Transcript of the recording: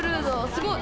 すごい。